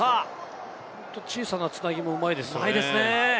小さな繋ぎもうまいですよね。